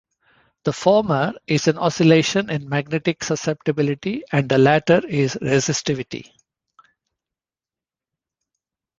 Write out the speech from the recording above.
The former is an oscillation in magnetic susceptibility and the latter in resistivity.